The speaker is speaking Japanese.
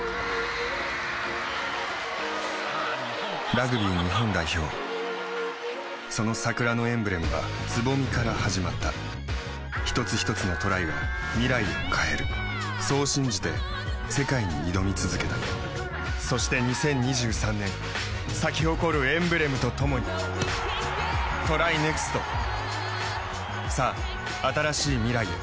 ラグビー日本代表その桜のエンブレムは蕾から始まった一つひとつのトライが未来を変えるそう信じて世界に挑み続けたそして２０２３年咲き誇るエンブレムとともにＴＲＹＮＥＸＴさあ、新しい未来へ。